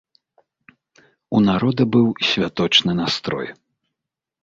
У народа быў святочны настрой.